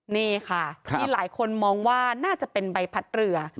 นี่ค่ะที่หลายคนมองว่าน่าจะเป็นใบพัดเรือ